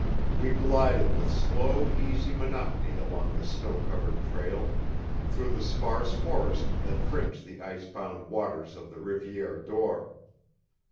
We glided with slow, easy monotony along the snow covered trail, through the sparse forest that fringed the ice bound waters of the Rivière d'Or.